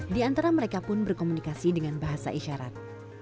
di antara mereka pun berkomunikasi dengan bahasa isyarat